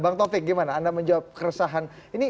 bang topik gimana anda menjawab keresahan